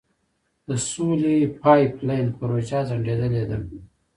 د سولې پایپ لاین پروژه ځنډیدلې ده.